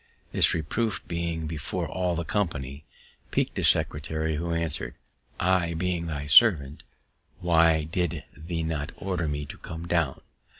This reproof, being before all the company, piqu'd the secretary, who answer'd, _"I being thy servant, why did thee not order me to come down?